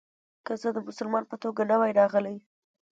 که زه د مسلمان په توګه نه وای راغلی.